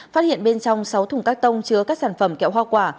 phát hiện bên trong sáu thùng các tông chứa các sản phẩm kẹo hoa quả